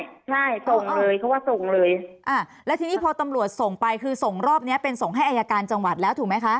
ใช่ส่งเลยเขาว่าส่งเลยอ่าแล้วทีนี้พอตำรวจส่งไปคือส่งรอบเนี้ยเป็นส่งให้อายการจังหวัดแล้วถูกไหมคะ